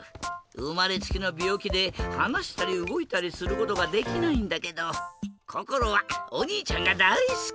うまれつきのびょうきではなしたりうごいたりすることができないんだけどこころはおにいちゃんがだいすき！